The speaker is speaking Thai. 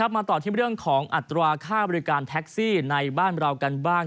มาต่อที่เรื่องของอัตราค่าบริการแท็กซี่ในบ้านเรากันบ้าง